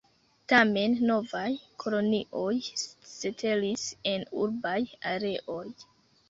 Tamen, novaj kolonioj setlis en urbaj areoj.